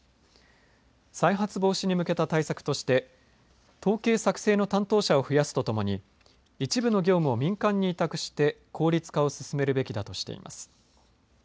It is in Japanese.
再発防止に向けた対策として統計作成の担当者を増やすとともに一部の業務を民間に委託して効率化を進めるべきだとしています。